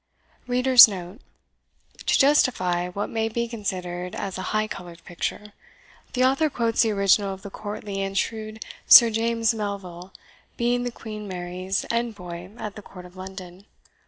[To justify what may be considered as a high coloured picture, the author quotes the original of the courtly and shrewd Sir James Melville, being then Queen Mary's envoy at the court of London.